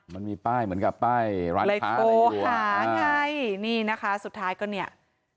มันมีป้ายเหมือนกับป้ายร้านเลยโทรหาไงนี่นะคะสุดท้ายก็เนี่ย